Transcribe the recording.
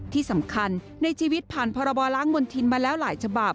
ที่สำคัญในชีวิตผ่านพรบล้างมณฑินมาแล้วหลายฉบับ